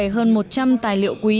hơn một trăm linh tài liệu quý